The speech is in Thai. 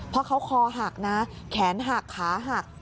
เพราะเขาคอหักนะแขนหักขาหัก